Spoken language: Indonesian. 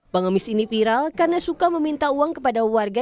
pengemis ini viral karena suka meminta uang kepada warga